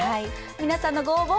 皆さんのご応募